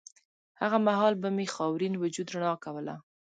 هغه مهال به مې خاورین وجود رڼا کوله